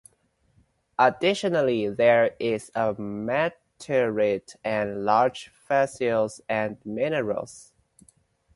Additionally there is a meteorite and large fossils and minerals.